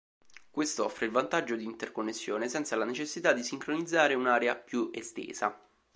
Questo offre il vantaggio di interconnessione senza la necessità di sincronizzare un'area più estesa.